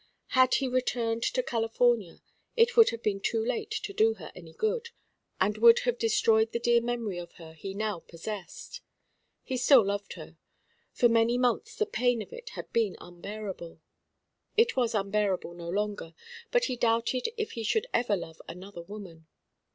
Had he returned to California it would have been too late to do her any good, and would have destroyed the dear memory of her he now possessed. He still loved her. For many months the pain of it had been unbearable. It was unbearable no longer, but he doubted if he should ever love another woman.